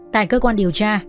tại cơ quan điều tra